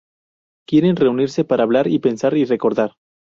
Quieren reunirse para hablar, pensar y recordar.